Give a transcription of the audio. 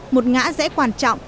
một ngã rẽ quan trọng